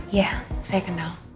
ya saya kenal